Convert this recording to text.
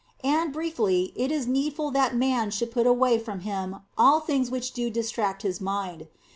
And, briefly, it is needful that man should put away from him all things which do distract his mind.